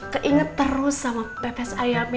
keinget terus sama pepes ayamnya